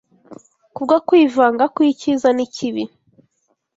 Kubwo kwivanga kw’icyiza n’ikibi